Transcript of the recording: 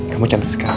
kamu cantik sekali